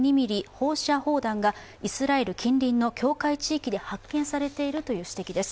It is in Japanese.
放射砲弾がイスラエル近隣の境界地域で発見されているという指摘です。